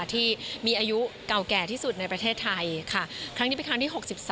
ที่มีอายุเก่าแก่ที่สุดในประเทศไทยค่ะครั้งนี้เป็นครั้งที่๖๓